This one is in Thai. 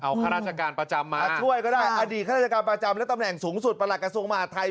เอาข้าราชการประจำมาช่วยก็ได้อดีตข้าราชการประจำและตำแหน่งสูงสุดประหลักกระทรวงมหาดไทย